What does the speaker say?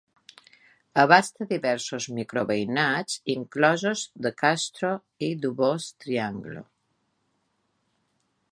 Abasta diversos micro-veïnats inclosos The Castro i Duboce Triangle.